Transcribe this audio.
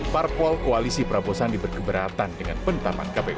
parpol koalisi prabowo sandi berkeberatan dengan penetapan kpu